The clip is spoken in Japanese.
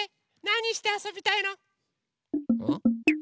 なにしてあそびたいの？